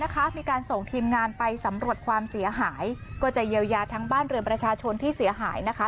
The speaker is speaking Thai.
มีการส่งทีมงานไปสำรวจความเสียหายก็จะเยียวยาทั้งบ้านเรือนประชาชนที่เสียหายนะคะ